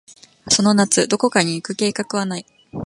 その夏、どこかに行く計画はない。